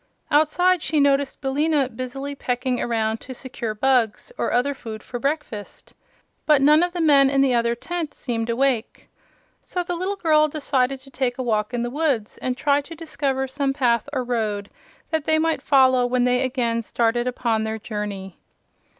Outside she noticed Billina busily pecking around to secure bugs or other food for breakfast, but none of the men in the other tent seemed awake. So the little girl decided to take a walk in the woods and try to discover some path or road that they might follow when they again started upon their journey.